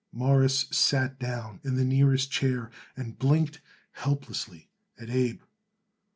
Morris sat down in the nearest chair and blinked helplessly at Abe.